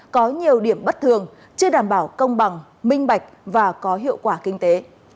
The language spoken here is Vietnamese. có nhiều điểm bất thường chưa đảm bảo công bằng minh bạch và có hiệu quả kinh tế